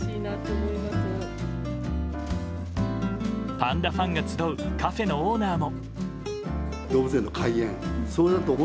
パンダファンが集うカフェのオーナーも。